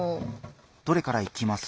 どれからいきます？